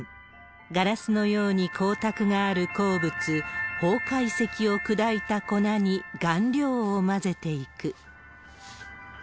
ガラスのように光沢がある鉱物、方解石を砕いた粉に顔料を混ぜていく。